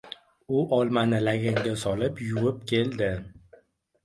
U olmalami laganga solib, yuvib keldi.